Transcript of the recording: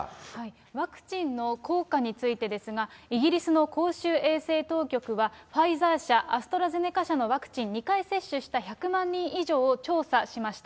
ワクチンの効果についてですが、イギリスの公衆衛生当局は、ファイザー社、アストラゼネカ社のワクチン２回接種した１００万人以上を調査しました。